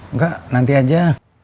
nggak nanti aja